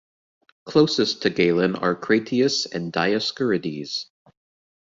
Closest to Galen are Crateuas and Dioscurides.